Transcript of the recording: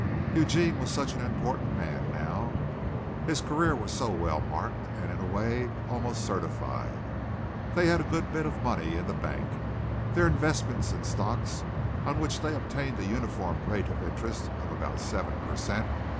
Eugene was such an important man now. His career was so well marked and in a way almost certified. They had a good bit of money in the bank. Their investments in stocks, on which they obtained a uniform rate of interest of about seven per cent.